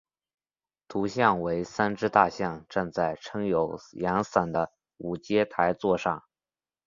图像为三只大象站在撑有阳伞的五阶台座上。